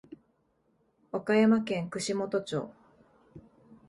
和歌山県串本町